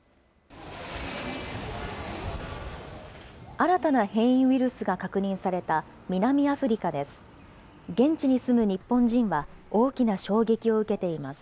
新たな変異ウイルスが確認された南アフリカです。